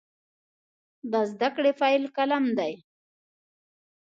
د زده کړې پیل قلم دی.